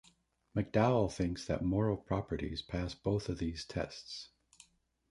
McDowell thinks that moral properties pass both of these tests.